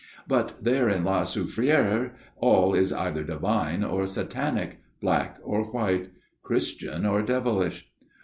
But there in La Souffriere all is either divine or satanic, black !* or white, Christian or devilish.